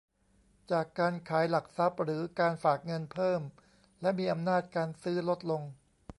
จากการขายหลักทรัพย์ หรือการฝากเงินเพิ่ม และมีอำนาจการซื้อลดลง